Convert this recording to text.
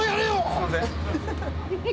すみません。